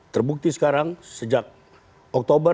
terbukti sekarang sejak oktober